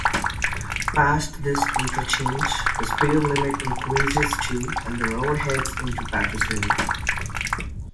Past this interchange, the speed limit increases to and the road heads into Paterson.